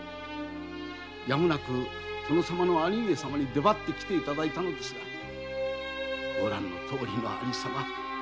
やむなく殿様の兄上様に来ていただいたのですがご覧のとおりの有様。